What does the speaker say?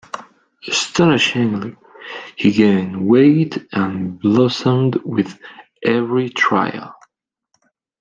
Astonishingly, he gained weight and blossomed with every trial.